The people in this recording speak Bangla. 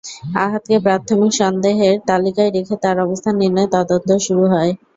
আহাদকে প্রাথমিক সন্দেহের তালিকায় রেখে তাঁর অবস্থান নির্ণয়ে তদন্ত শুরু হয়।